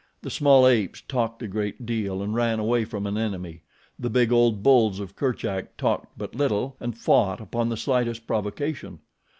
The small apes talked a great deal and ran away from an enemy. The big, old bulls of Kerchak talked but little and fought upon the slightest provocation.